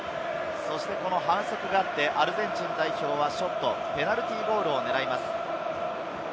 反則があって、アルゼンチン代表はショット、ペナルティーゴールを狙います。